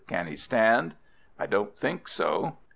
Can he stand?" "I don't think so."